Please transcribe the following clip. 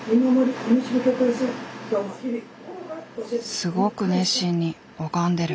すごく熱心に拝んでる。